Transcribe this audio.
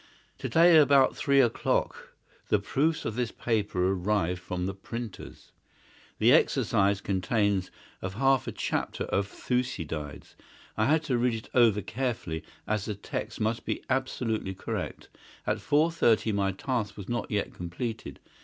"To day about three o'clock the proofs of this paper arrived from the printers. The exercise consists of half a chapter of Thucydides. I had to read it over carefully, as the text must be absolutely correct. At four thirty my task was not yet completed.